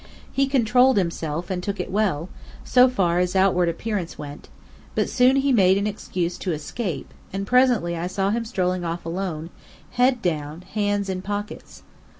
He controlled himself, and took it well, so far as outward appearance went: but soon he made an excuse to escape: and presently I saw him strolling off alone, head down, hands in pockets.